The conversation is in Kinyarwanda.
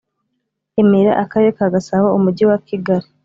remera akarere ka gasabo umujyi wa kigali